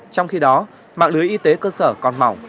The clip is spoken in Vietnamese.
trong khi đó mạng lưới y tế cơ sở còn mỏng